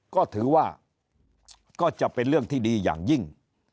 ก็ถือว่าก็จะเป็นเรื่องที่ดีอย่างยิ่ง